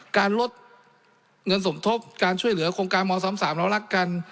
การลดเงินสมทบการช่วยเหลือโครงการม๓๓เรารักกัน